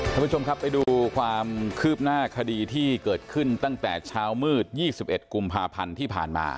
ท่านผู้ชมครับไปดูความคืบหน้าคดีที่เกิดขึ้นตั้งแต่เช้ามืด๒๑กุมภาพันธ์ที่ผ่านมา